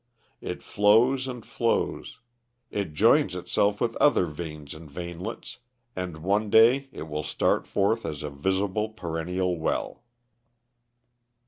It flows and flows; it joins itself with other veins and veinlets, and one day it will start forth as a visible perennial well."